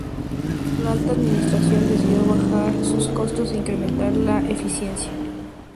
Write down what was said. La alta administración decidió bajar sus costos e incrementar la eficiencia.